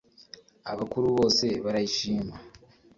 Abakuru bose barayishima